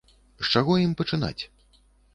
З чаго ім пачынаць?